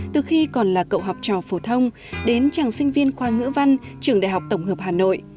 từ khi còn là cậu học trò phổ thông đến tràng sinh viên khoa ngữ văn trường đại học tổng hợp hà nội